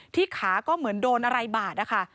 ที่ขาก็เหมือนโดนอะไรบาดอ่ะค่ะ